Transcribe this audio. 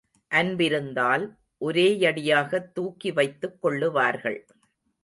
அன்பிருந்தால் ஒரேயடியாகத் தூக்கி வைத்துக் கொள்ளுவார்கள்.